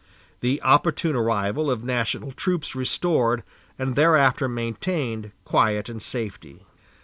The opportune arrival of national troops restored, and thereafter maintained, quiet and safety.